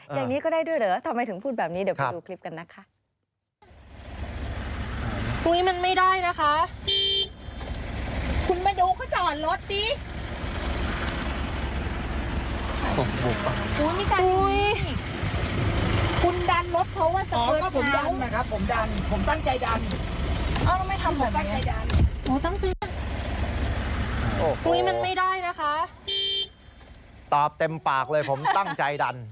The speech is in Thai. อย่างนี้ก็ได้ด้วยเหรอทำไมถึงพูดแบบนี้เดี๋ยวไปดูคลิปกันนะคะ